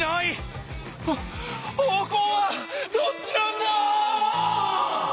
方向はどっちなんだー！